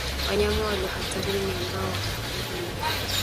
Wanyama walio hatarini ni ambao wako karibu naye